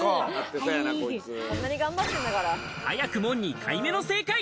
早くも２回目の正解。